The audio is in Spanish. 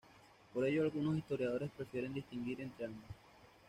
Por ello algunos historiadores prefieren distinguir entre ambas.